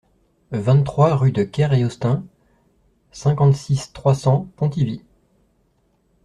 vingt-trois rue de Ker-Eostin, cinquante-six, trois cents, Pontivy